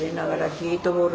ゲートボール。